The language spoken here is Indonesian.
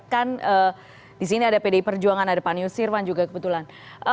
kan di sini ada pdi perjuangan ada pan new sirwan juga kebetulan